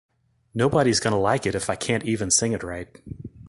Nobody's gonna like it if I can't even sing it right.